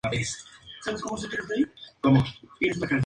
Esto puede presentarse como un peligro para el organismo.